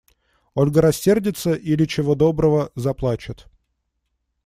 Ольга рассердится или, чего доброго, заплачет.